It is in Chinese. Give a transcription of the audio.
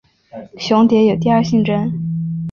雄蝶有第二性征。